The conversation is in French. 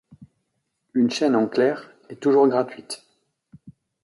Une chaîne en clair est toujours gratuite.